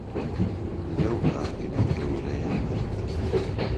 لەو ئاگرە گەورەیە مرد.